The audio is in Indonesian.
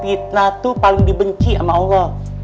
fitnah itu paling dibenci sama allah